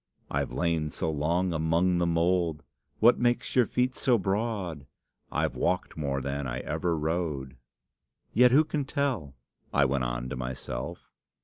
'I've lain so long among the mould.' 'What makes your feet so broad?' 'I've walked more than ever I rode!' "'Yet who can tell?' I went on to myself.